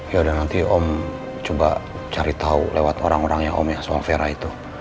yaudah nanti om coba cari tau lewat orang orangnya om ya soal vera itu